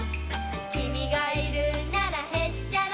「君がいるならへっちゃらさ」